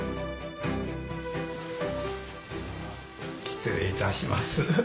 失礼いたします。